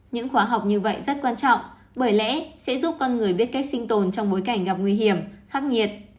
những khóa học như vậy rất quan trọng bởi lẽ sẽ giúp con người biết cách sinh tồn trong bối cảnh gặp nguy hiểm khắc nghiệt